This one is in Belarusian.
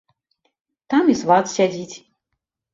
Там і сват сядзіць.